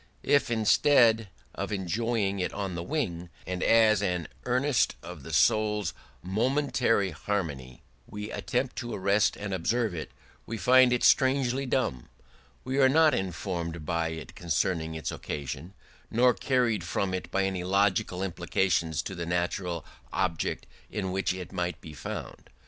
If instead of enjoying it on the wing, and as an earnest of the soul's momentary harmony, we attempt to arrest and observe it, we find it strangely dumb; we are not informed by it concerning its occasion, nor carried from it by any logical implication to the natural object in which it might be found.